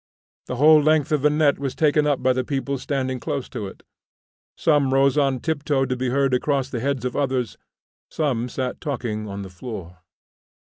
The whole length of the net was taken up by the people standing close to it. Some rose on tiptoe to be heard across the heads of others; some sat talking on the floor.